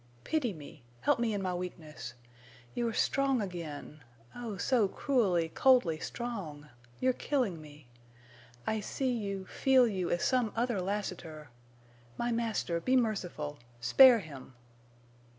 Pity me—help me in my weakness. You're strong again—oh, so cruelly, coldly strong! You're killing me. I see you—feel you as some other Lassiter! My master, be merciful—spare him!"